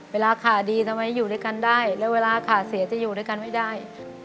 เวลาขาดีทำไมอยู่ด้วยกันได้แล้วเวลาขาเสียจะอยู่ด้วยกันไม่ได้